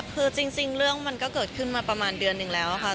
คือจริงเรื่องมันก็เกิดขึ้นมาประมาณเดือนหนึ่งแล้วค่ะ